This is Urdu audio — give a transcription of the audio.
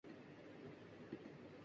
کیا تعجب ہے کہ خالی رہ گیا تیرا ایاغ